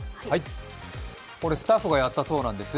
スタッフがやったそうなんです。